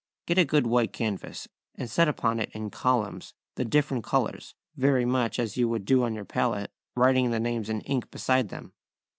Get a good white canvas, and set upon it in columns the different colours, very much as you would do on your palette, writing the names in ink beside them.